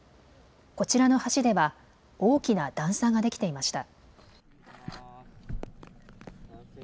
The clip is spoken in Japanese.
こちらの橋では大きな段差ができていました。